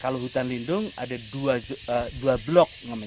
kalau hutan lindung ada dua blok